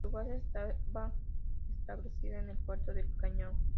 Su base estaba establecida en el puerto del Callao.